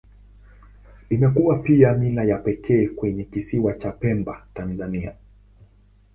Imekuwa pia mila ya pekee kwenye Kisiwa cha Pemba, Tanzania.